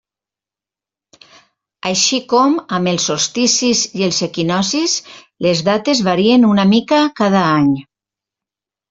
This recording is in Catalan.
Així com amb els solsticis i els equinoccis, les dates varien una mica cada any.